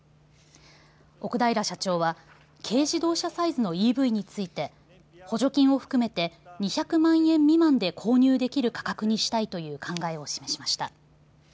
奥平社長は軽自動車サイズのＥＶについて補助金を含めて２００万円未満で購入できる価格にしたいという考えを示しました。